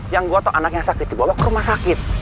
yang gue tau anaknya sakit dibawa ke rumah sakit